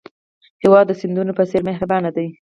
هېواد د سیندونو په څېر مهربان دی.